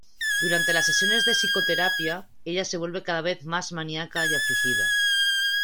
Durante las sesiones de psicoterapia, ella se vuelve cada vez más maníaca y afligida.